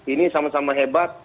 ini sama sama hebat